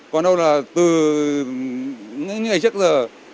còn đâu là từ những ngày trước giờ